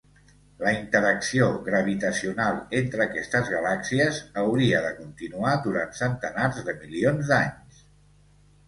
La interacció gravitacional entre aquestes galàxies hauria de continuar durant centenars de milions d'anys.